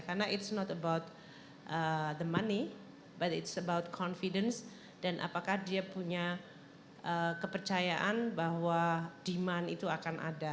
karena it's not about the money but it's about confidence dan apakah dia punya kepercayaan bahwa demand itu akan ada